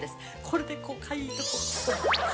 これでこうかゆい所を。